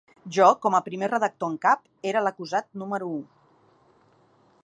Jo, com a primer redactor en cap, era l’acusat número u.